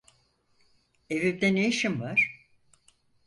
Evimde ne işin var?